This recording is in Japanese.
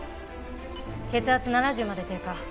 血圧７０まで低下。